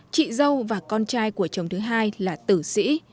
chị dâu và con trai của chồng thứ hai là tử sĩ